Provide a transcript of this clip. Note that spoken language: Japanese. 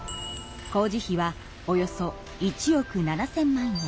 工事費はおよそ１億７，０００万円。